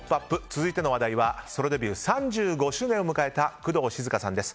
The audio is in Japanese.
続いての話題はソロデビュー３５周年を迎えた工藤静香さんです。